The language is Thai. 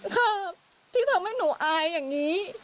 ค่ะที่ทำให้หนูอายอย่างนี้